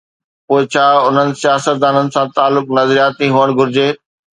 پوءِ ڇا انهن سياستدانن سان تعلق نظرياتي هئڻ گهرجي؟